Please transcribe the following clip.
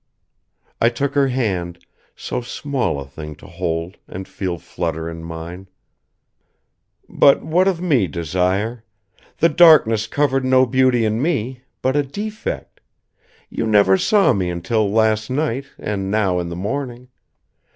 I took her hand, so small a thing to hold and feel flutter in mine. "But what of me, Desire? The darkness covered no beauty in me, but a defect. You never saw me until last night and now in the morning.